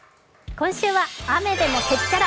今週は「雨でもへっちゃら！